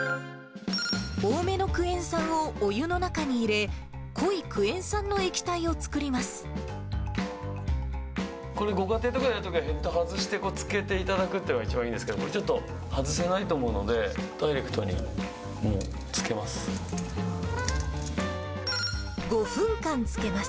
多めのクエン酸をお湯の中に入れ、これ、ご家庭とかでやるときは、ヘッド外して漬けていただくっていうのが一番いいんですけど、これちょっと外せないと思うので、ダイレクトにもう漬けます。